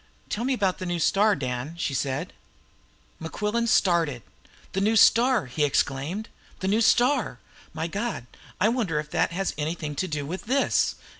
"Tell me about the new star, Dan," she said. Mequillen started. "The new star!" he exclaimed. "The new star! My God, I wonder if that has anything to do with this?